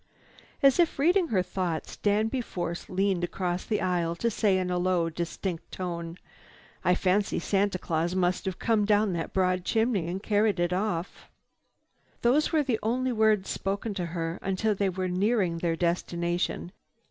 As if reading her thoughts, Danby Force leaned across the aisle to say in a low distinct tone: "I fancy Santa Claus must have come down that broad chimney and carried it off." Those were the only words spoken to her until they were nearing their destination.